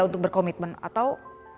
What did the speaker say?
untuk berkomitmen atau